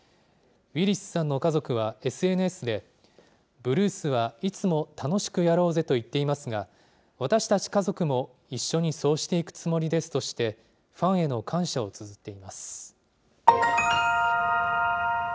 ウィリスさんの家族はＳＮＳで、ブルースはいつも楽しくやろうぜと言っていますが、私たち家族も一緒にそうしていくつもりですとして、ファンへの感謝をつづっています。